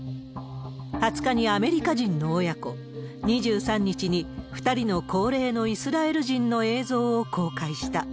２０日にアメリカ人の親子、２３日に２人の高齢のイスラエル人の映像を公開した。